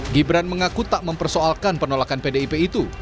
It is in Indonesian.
gibran mengaku tak mempersoalkan penolakan pdip itu